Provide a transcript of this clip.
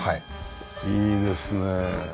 いいですねえ。